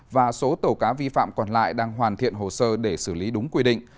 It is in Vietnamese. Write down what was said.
và số tàu cá vi phạm còn lại đang hoàn thiện hồ sơ để xử lý đúng quy định